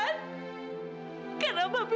taufan alit pembahayaan chili